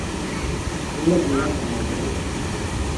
އުޅެއުޅެ ހަމަ ނުވި